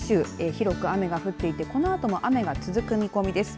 広く雨が降っていてこのあとも雨が続く見込みです。